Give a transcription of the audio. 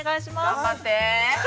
◆頑張ってー。